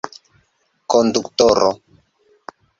Konduktoro!